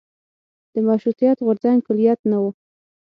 د مشروطیت غورځنګ کلیت نه و.